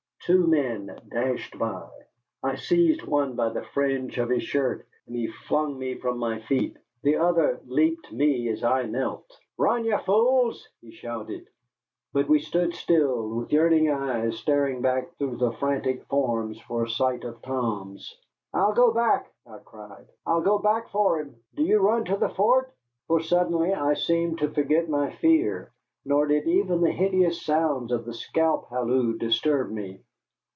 Two men dashed by. I seized one by the fringe of his shirt, and he flung me from my feet. The other leaped me as I knelt. "Run, ye fools!" he shouted. But we stood still, with yearning eyes staring back through the frantic forms for a sight of Tom's. "I'll go back!" I cried, "I'll go back for him. Do you run to the fort." For suddenly I seemed to forget my fear, nor did even the hideous notes of the scalp halloo disturb me.